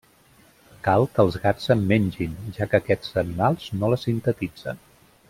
Cal que els gats en mengin, ja que aquests animals no la sintetitzen.